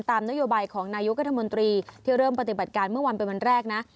นโยบายของนายกรัฐมนตรีที่เริ่มปฏิบัติการเมื่อวันเป็นวันแรกนะ